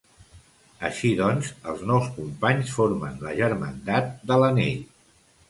Així doncs els nou companys formen la Germandat de l'Anell.